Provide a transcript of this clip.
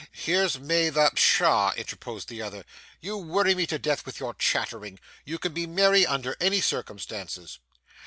Here's May the ' 'Pshaw!' interposed the other. 'You worry me to death with your chattering. You can be merry under any circumstances.